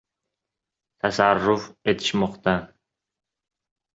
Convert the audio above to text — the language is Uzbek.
tasarruf etishmoqda.